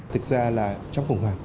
thực ra là trong khủng hoảng